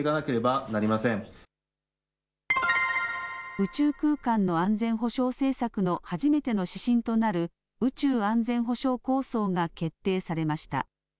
宇宙空間の安全保障政策の初めての指針となる、宇宙安全保障構想が決定されました。